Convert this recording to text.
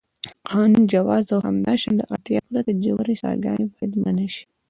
قانوني جواز او همداشان د اړتیا پرته ژورې څاګانې باید منع شي.